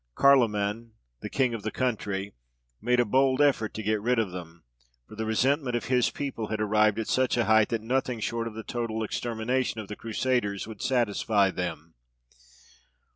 Karloman, the king of the country, made a bold effort to get rid of them; for the resentment of his people had arrived at such a height, that nothing short of the total extermination of the Crusaders would satisfy them.